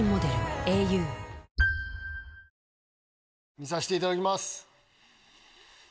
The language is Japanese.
見させていただきます。